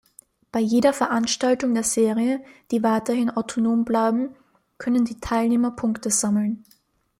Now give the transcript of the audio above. Bei jeder Veranstaltung der Serie, die weiterhin autonom bleiben, können die Teilnehmer Punkte sammeln.